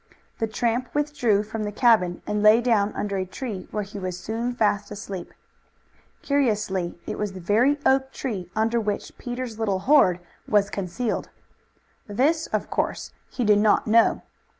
The tramp withdrew from the cabin and lay down under a tree, where he was soon fast asleep. Curiously it was the very oak tree under which Peter's little hoard was concealed. This of course he did not know.